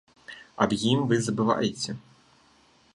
Аб ім вы забываеце.